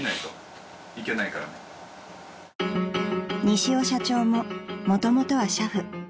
［西尾社長ももともとは俥夫］